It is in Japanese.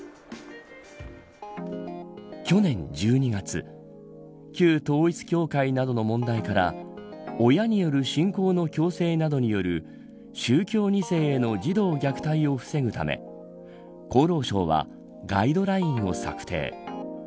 去年１２月旧統一教会などの問題から親による信仰の強制などによる宗教２世への児童虐待を防ぐため厚労省はガイドラインを策定。